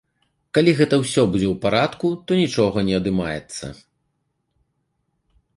Калі гэта ўсё будзе ў парадку, то нічога не адымаецца.